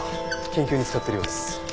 研究に使ってるようです。